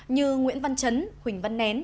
như nguyễn văn trấn huỳnh văn nén